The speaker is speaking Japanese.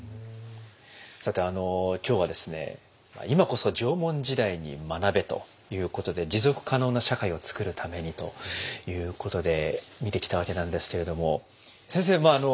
「今こそ縄文時代に学べ！」ということで「持続可能な社会を作るために」ということで見てきたわけなんですけれども先生まあ